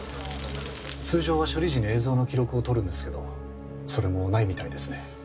通常は処理時に映像の記録をとるんですけどそれもないみたいですね。